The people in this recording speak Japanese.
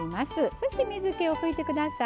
そして水けを拭いてください。